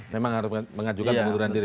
memang harus mengajukan pengunduran diri